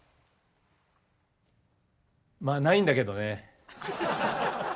まあないんだけどね。